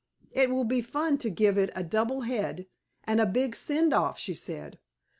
"It will be fun to give it a 'double head' and a big send off," she said.